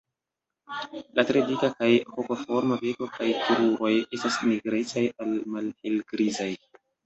La tre dika kaj hokoforma beko kaj kruroj estas nigrecaj al malhelgrizaj.